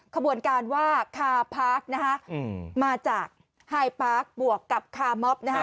ขบวนการว่าคาพาร์คนะคะมาจากไฮปาร์คบวกกับคามอบนะคะ